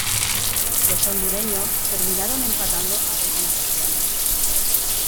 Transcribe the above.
Los hondureños terminaron empatando a dos anotaciones.